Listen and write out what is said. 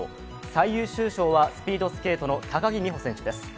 最優秀賞はスピードスケートの高木美帆選手です。